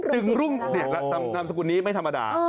จึงรุ่งเด็กตามสกุลนี้ไม่ธรรมดา